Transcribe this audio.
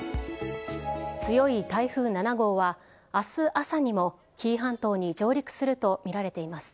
強い台風７号は、あす朝にも、紀伊半島に上陸すると見られています。